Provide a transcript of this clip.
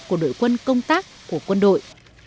của đội quân công tác của quân đội